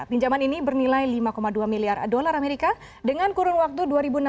pinjaman ini bernilai lima dua miliar dolar amerika dengan kurun waktu dua ribu enam belas dua ribu dua puluh